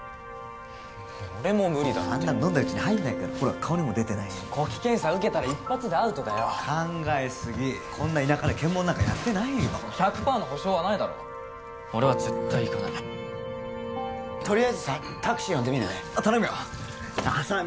俺も無理だってあんなの飲んだうちに入んない顔にも出てないし呼気検査受けたら一発でアウトだ考えすぎこんな田舎で検問なんかやってないよ１００パーの保証はないだろ俺は絶対行かないとりあえずさタクシー呼んでみるね・頼むよ浅見